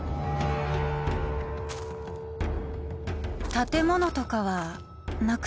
「建物とかはなくて」